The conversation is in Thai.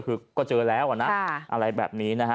คือก็เจอแล้วอะนะอะไรแบบนี้นะฮะ